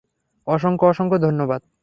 অসংখ্য অসংখ্য ধন্যবাদ।